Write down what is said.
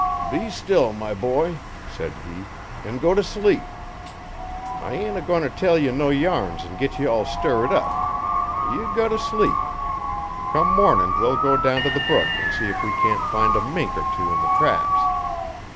'Be still, my boy,' said he, 'an' go t' sleep. I ain't agoin' t' tell no yarns an' git ye all stirred up. Ye go t' sleep. Come mornin' we'll go down t' the brook an' see if we can't find a mink or tew 'n the traps.'